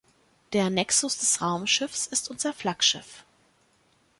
Der Nexus des Raumschiffs ist unser Flaggschiff.